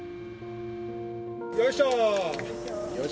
よいしょー！